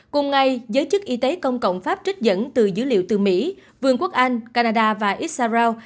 cùng ngày giới chức y tế công cộng pháp trích dẫn từ dữ liệu từ mỹ vườn quốc anh canada và issau